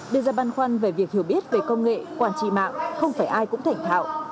đưa ra băn khoăn về việc hiểu biết về công nghệ quản trị mạng không phải ai cũng thành thạo